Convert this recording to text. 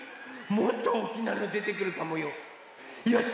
もっとおおきなのでてくるかもよ？よし！